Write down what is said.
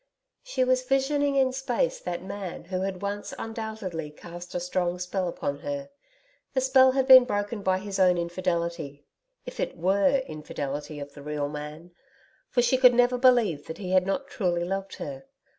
She was visioning in space that man who had once undoubtedly cast a strong spell upon her. The spell had been broken by his own infidelity if it WERE infidelity of the real man. For she could never believe that he had not truly loved her.